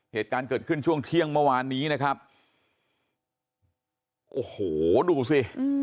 เหตุการณ์เกิดขึ้นช่วงเที่ยงเมื่อวานนี้นะครับโอ้โหดูสิ